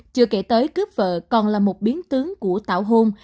chưa kể tới cướp vợ còn là một biến tướng của tảo hôn